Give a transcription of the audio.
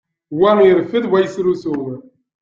Wa ireffed, wa yesrusu.